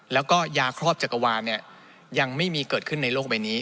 แล้วก็ยาครอบจักรวาลยังไม่มีเกิดขึ้นในโลกใบนี้